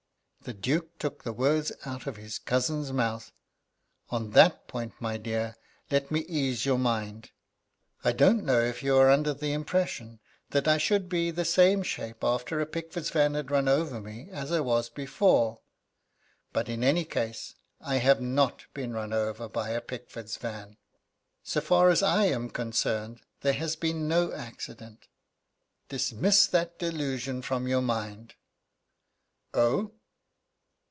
The Duke took the words out of his cousin's mouth: "On that point, my dear, let me ease your mind. I don't know if you are under the impression that I should be the same shape after a Pickford's van had run over me as I was before; but, in any case, I have not been run over by a Pickford's van. So far as I am concerned there has been no accident. Dismiss that delusion from your mind." "Oh!"